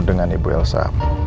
dengan ibu elsa